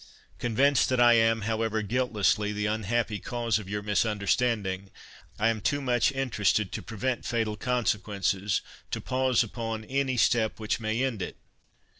Convinced that I am, however guiltlessly, the unhappy cause of your misunderstanding, I am too much interested to prevent fatal consequences to pause upon any step which may end it.